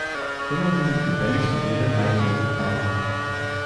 Kümmern Sie sich gefälligst um Ihren eigenen Kram.